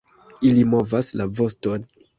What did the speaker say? Ili movas la voston.